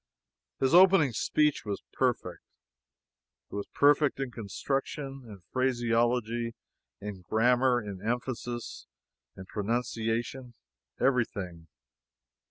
His opening speech was perfect. It was perfect in construction, in phraseology, in grammar, in emphasis, in pronunciation everything.